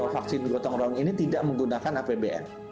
vaksin gotong royong ini tidak menggunakan apbn